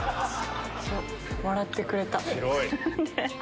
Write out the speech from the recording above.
笑ってくれた。